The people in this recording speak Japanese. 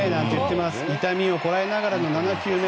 痛みをこらえながらの７球目。